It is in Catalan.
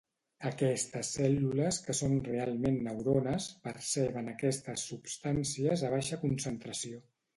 Aquestes cèl·lules que són realment neurones perceben aquestes substàncies a baixa concentració